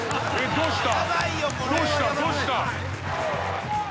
どうした？